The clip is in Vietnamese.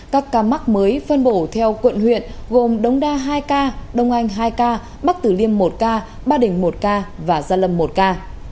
các ca mắc mới phân bổ theo quận huyện gồm đống đa hai ca đông anh hai ca bắc tử liêm một ca ba đình một ca và gia lâm một ca